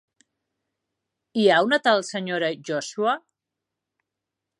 Hi ha una tal senyora Joshua?